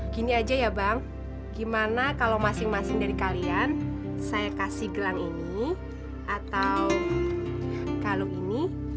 gini aja ya bang gimana kalau masing masing dari kalian saya kasih gelang ini atau kalung ini